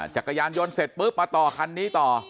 จักรยานยนต์เสร็จปุ๊บมาต่อคันนี้ต่อ